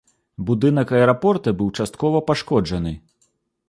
Будынак аэрапорта быў часткова пашкоджана.